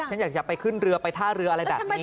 ฉันอยากจะไปขึ้นเรือไปท่าเรืออะไรแบบนี้